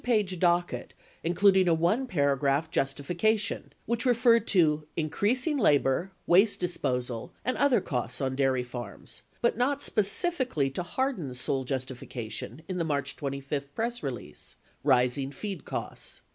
670 page docket including a one paragraph "justification" which referred "to increasing labor, waste disposal, and other costs on dairy farms," 18 but not specifically to Hardin's sole justification in the March 25 press release, rising feed costs.